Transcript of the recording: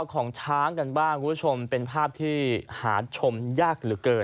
ของช้างกันบ้างคุณผู้ชมเป็นภาพที่หาชมยากเหลือเกิน